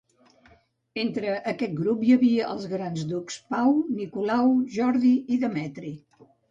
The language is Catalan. Entre aquest grup hi havia els grans ducs Pau, Nicolau, Jordi i Demetri.